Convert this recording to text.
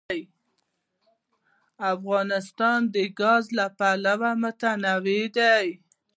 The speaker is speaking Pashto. افغانستان د ګاز له پلوه متنوع دی.